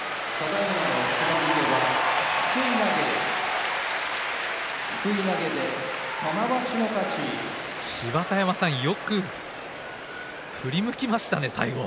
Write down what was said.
拍手芝田山さん、よく振り向きましたね最後。